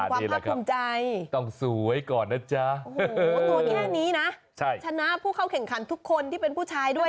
เป็นความพระคุมใจนะครับโอ้โฮตัวแค่นี้นะชนะผู้เข้าเข่งขันทุกคนที่เป็นผู้ชายด้วย